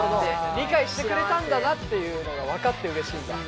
理解してくれたんだなっていうのが分かってうれしいんだ。